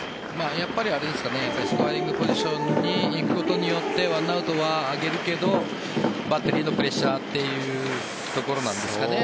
やっぱりスコアリングポジションに行くことによって１アウトはあげるけどバッテリーのプレッシャーというところなんですかね。